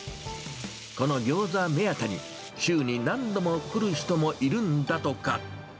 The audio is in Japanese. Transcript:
このギョーザ目当てに、週に何度も来る人もいるんだとか。